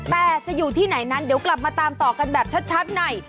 แต่จะอยู่ที่ไหนนั้นเดี๋ยวกลับมาตามต่อกันแบบชัดใน